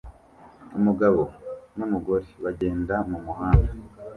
Umugabo numugore bagenda mumuhanda